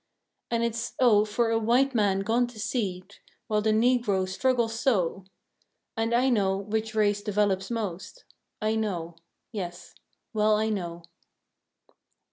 And it's, oh, for a white man gone to seed, While the Negro struggles so! And I know which race develops most, I know; yes, well I know.